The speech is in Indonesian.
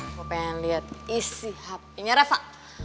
gue pengen liat isi hapinya refa